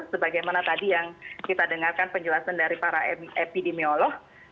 sebagaimana tadi yang kita dengarkan penjelasan dari para epidemiolog